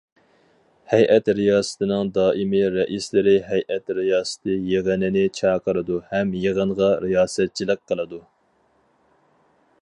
ھەيئەت رىياسىتىنىڭ دائىمىي رەئىسلىرى ھەيئەت رىياسىتى يىغىنىنى چاقىرىدۇ ھەم يىغىنغا رىياسەتچىلىك قىلىدۇ.